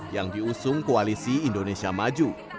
yang diusung koalisi indonesia maju